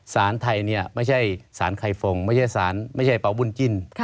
สารไทยไม่ใช่สารไข่ฟงไม่ใช่ประวุณจิ้น